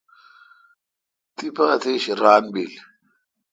تیپہ اتیش ران بل۔